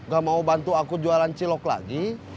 gak mau bantu aku jualan cilok lagi